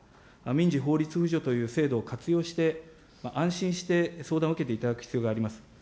民事法律扶助という制度を活用して、安心して相談を受けていただく必要があります。